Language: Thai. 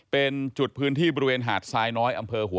เป็นจุดพื้นที่บริเวณหาดสายน้อย